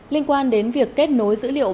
liên quan đến việc kết nối dữ liệu